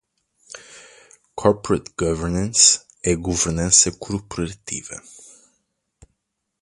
Corporate Governance é a governança corporativa.